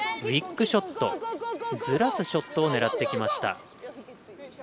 ウィックショットずらすショットを狙ってきました。